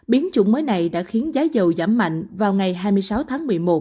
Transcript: biến chủng mới này đã khiến giá giàu giảm mạnh vào ngày hai mươi sáu tháng một mươi một